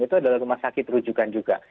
itu adalah rumah sakit rujukan juga